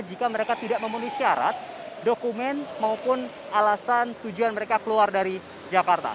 jika mereka tidak memenuhi syarat dokumen maupun alasan tujuan mereka keluar dari jakarta